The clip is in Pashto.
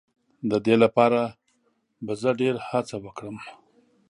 د دې لپاره به زه ډېر هڅه وکړم.